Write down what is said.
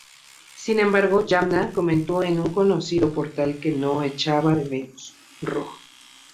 Sin embargo, Yamna comentó en un conocido portal que no "echaba de menos" Rojo.